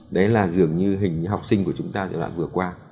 đấy là dường như hình học sinh của chúng ta giai đoạn vừa qua